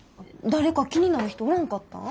誰か気になる人おらんかったん？